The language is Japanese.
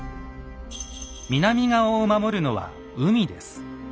南側を守るのは海です。